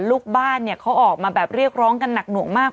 ลูกบ้านเนี่ยเขาออกมาแบบเรียกร้องกันหนักหน่วงมาก